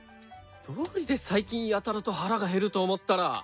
どうりで最近やたらと腹が減ると思ったら。